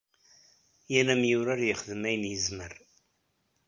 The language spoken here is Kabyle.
Yal amyurar yexdem ayen yezmer.